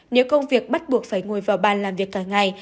nếu công việc bắt buộc phải ngồi vào bàn làm việc cả ngày